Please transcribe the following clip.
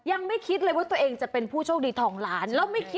อัมพิวัตตอพิทักต์้คุณหุ่ยค่ะ